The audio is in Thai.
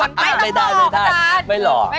ไม่ได้ไม่ได้ไม่หล่อ